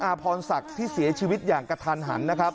และก็มีการกินยาละลายริ่มเลือดแล้วก็ยาละลายขายมันมาเลยตลอดครับ